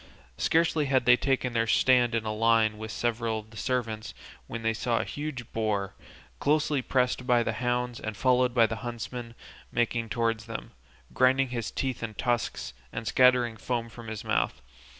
Scarcely had they taken their stand in a line with several of their servants, when they saw a huge boar, closely pressed by the hounds and followed by the huntsmen, making towards them, grinding his teeth and tusks, and scattering foam from his mouth.